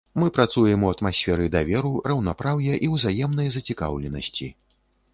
Мы працуем у атмасферы даверу, раўнапраўя і ўзаемнай зацікаўленасці.